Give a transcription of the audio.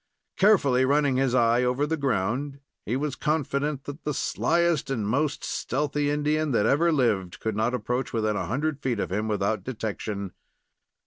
Carefully running his eye over the ground, he was confident that the slyest and most stealthy Indian that ever lived could not approach within a hundred feet of him without detection.